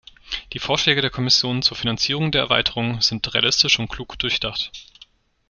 Die Vorschläge der Kommission zur Finanzierung der Erweiterung sind realistisch und klug durchdacht.